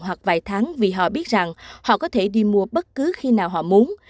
hoặc vài tháng vì họ biết rằng họ có thể đi mua bất cứ khi nào họ muốn